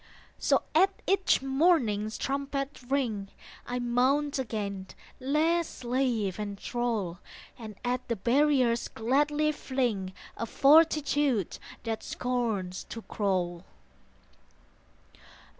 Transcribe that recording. So at each morning's trumpet ring I mount again, less slave and thrall, And at the barriers gladly fling A fortitude that scorns to crawl.